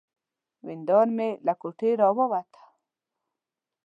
ورېندار يې له کوټې را ووته.